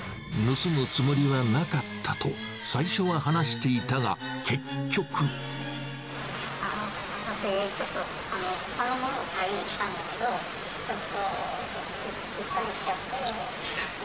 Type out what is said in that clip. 盗むつもりはなかったと、私、ちょっとほかのものを買いに来たんだけど、ちょっとうっかりしちゃって。